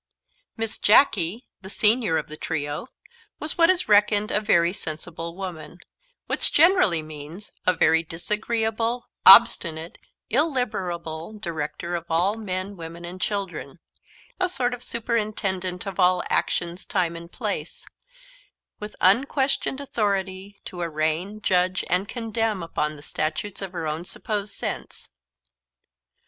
Miss Jacky, the senior of the trio, was what is reckoned a very sensible woman which generally means, a very disagreeable, obstinate, illiberal director of all men, women, and children a sort of superintendent of all actions, time, and place with unquestioned authority to arraign, judge, and condemn upon the statutes of her own supposed sense.